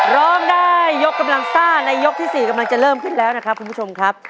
ร้องได้ยกกำลังซ่าในยกที่๔กำลังจะเริ่มขึ้นแล้วนะครับคุณผู้ชมครับ